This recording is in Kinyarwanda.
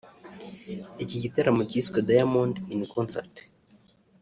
Iki gitaramo cyiswe “Diamond in Concert”